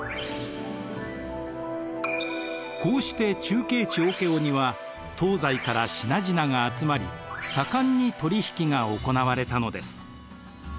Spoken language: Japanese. こうして中継地オケオには東西から品々が集まり盛んに取り引きが行われたのです。